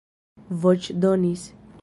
voĉdonis